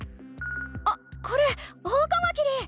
あっこれオオカマキリ！